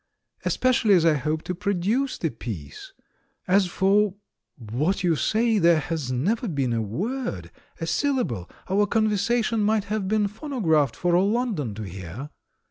Especially as I hope to produce the piece. As for ... what you say, there has never been a word, a syllable — our conversation might have been phonographed for all London to hear."